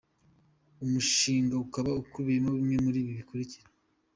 Umushinga ukaba ukubiyemo bimwe muri ibi bikurikira:.